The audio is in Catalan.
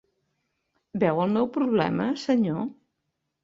Veu el meu problema, senyor?